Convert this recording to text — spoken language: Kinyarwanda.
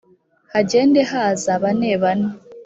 hagende haza banebane.